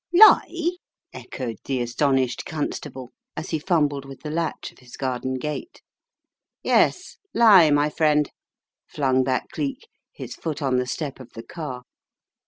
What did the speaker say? "Lie?" echoed the astonished constable, as he fumbled with the latch of his garden gate. "Yes, lie, my friend," flung back Cleek, his foot on the step of the car.